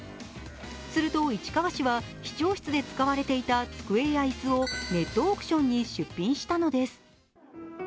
すると市川市は市長室で使われていた机や椅子をネットオークションに出品したのです。